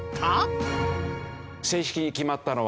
正式に決まったのは。